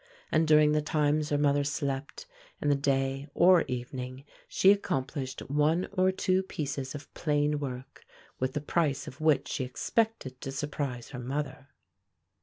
And during the times her mother slept, in the day or evening, she accomplished one or two pieces of plain work, with the price of which she expected to surprise her mother.